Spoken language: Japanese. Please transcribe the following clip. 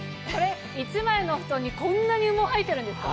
１枚の布団にこんなに羽毛入ってるんですか。